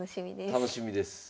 楽しみです。